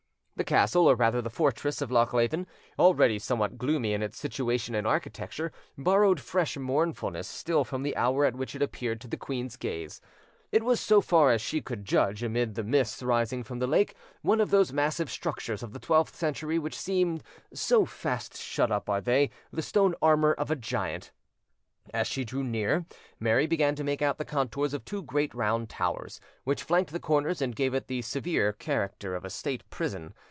The castle, or rather the fortress of Lochleven, already somewhat gloomy in its situation and architecture, borrowed fresh mournfulness still from the hour at which it appeared to the queen's gaze. It was, so far as she could judge amid the mists rising from the lake, one of those massive structures of the twelfth century which seem, so fast shut up are they, the stone armour of a giant. As she drew near, Mary began to make out the contours of two great round towers, which flanked the corners and gave it the severe character of a state prison.